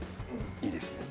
いいですか？